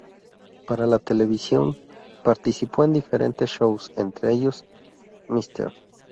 Para la televisión participó en diferentes shows, entre ellos "Mr.